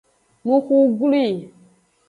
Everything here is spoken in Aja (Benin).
Nuxu glwi.